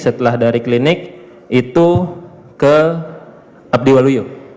setelah dari klinik itu ke abdi waluyo